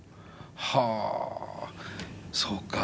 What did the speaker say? はあそうか。